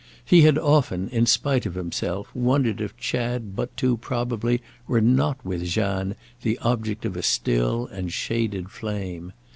He had often, in spite of himself, wondered if Chad but too probably were not with Jeanne the object of a still and shaded flame.